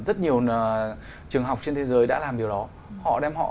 rất nhiều trường học trên thế giới đã làm điều đó